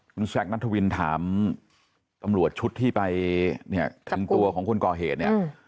คุณแชคนัททวินถามตำรวจชุดที่ไปทางตัวของคุณก่อเหตุ